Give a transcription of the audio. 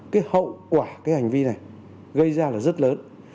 cái hậu quả cái hành vi này gây ra là rất lớn